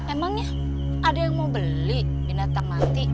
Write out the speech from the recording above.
emangnya ada yang mau beli binatang mati